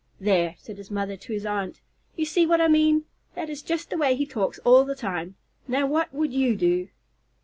"There!" said his mother to his aunt, "you see what I mean. That is just the way he talks all the time. Now what would you do?"